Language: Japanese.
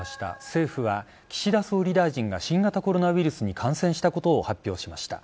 政府は岸田総理大臣が新型コロナウイルスに感染したことを発表しました。